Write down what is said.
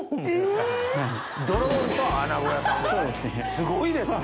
すごいですね。